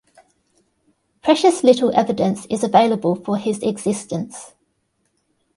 Precious little evidence is available for his existence.